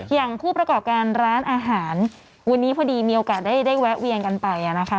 อย่างผู้ประกอบการร้านอาหารวันนี้พอดีมีโอกาสได้แวะเวียนกันไปนะคะ